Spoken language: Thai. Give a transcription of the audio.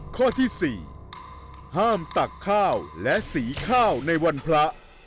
ข้อที่๔ห้ามตักข้าวและสีข้าวในวันพระ